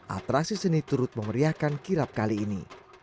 atraksi seni turut memeriahkan kirap kali ini